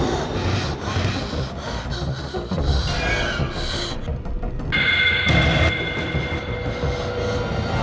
ya gak ada yang tahu